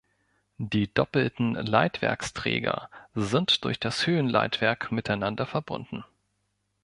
Die doppelten Leitwerksträger sind durch das Höhenleitwerk miteinander verbunden.